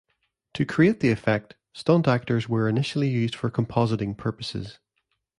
To create the effect, stunt actors were initially used for compositing purposes.